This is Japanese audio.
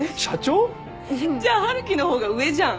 じゃあ春樹の方が上じゃん。